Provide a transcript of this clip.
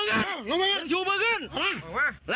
เลยหลบอยู่ที่แหละ